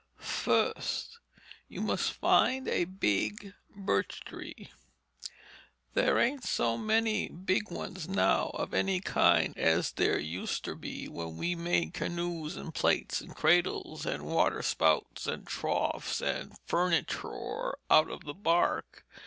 Fust, you must find a big birch tree. There ain't so many big ones now of any kind as there useter be when we made canoes and plates and cradles, and water spouts, and troughs, and furnitoor out of the bark.